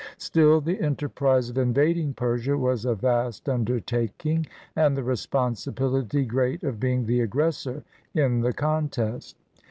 Still, the enter prise of invading Persia was a vast undertaking, and the responsibility great of being the aggressor in the contest.